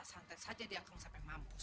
kita santai saja di akung sampai mampus